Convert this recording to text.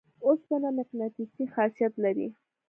اوسپنه مقناطیسي خاصیت لري.